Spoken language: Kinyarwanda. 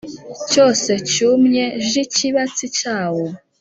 cyose cyumye j Ikibatsi cyawo